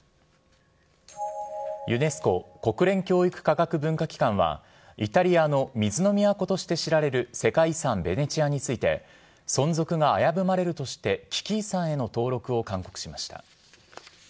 ユネスコ・国連教育科学文化機関は、イタリアの水の都として知られる世界遺産ベネチアについて、存続が危ぶまれるとして、危機遺産への登録を勧告しました。